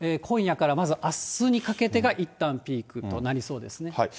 今夜からまずあすにかけてがいったんピークとなりそうですね。